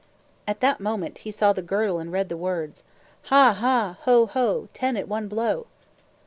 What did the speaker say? At that moment, he saw the girdle and read the words: Ha, ha! Ho, ho! Ten at one blow.